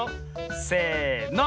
せの。